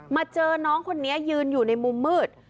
เจอน้องคนนี้ยืนอยู่ในมุมมืด